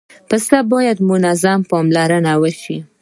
پسه باید منظمه پاملرنه وشي.